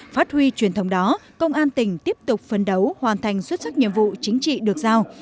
phát huy truyền thống đó công an tỉnh tiếp tục phấn đấu hoàn thành xuất sắc nhiệm vụ chính trị được giao